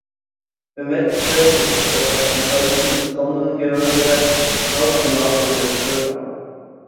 Bemerkenswert ist das auf ein hölzernes Tonnengewölbe aufgemalte Bildprogramm.